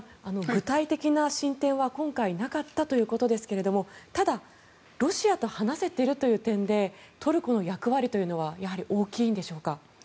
具体的な進展は今回、なかったということですがただロシアと話せてるという点でトルコの役割というのはやはり大きいんでしょうか。